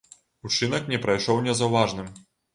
Учынак не прайшоў незаўважаным.